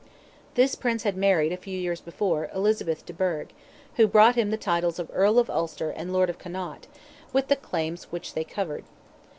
This Prince had married, a few years before, Elizabeth de Burgh, who brought him the titles of Earl of Ulster and Lord of Connaught, with the claims which they covered.